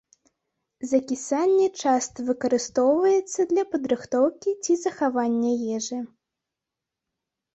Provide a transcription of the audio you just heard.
Закісанне часта выкарыстоўваецца для падрыхтоўкі ці захавання ежы.